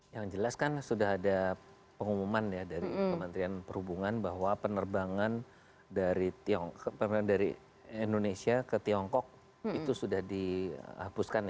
yang jelas kan sudah ada pengumuman ya dari kementerian perhubungan bahwa penerbangan dari indonesia ke tiongkok itu sudah dihapuskan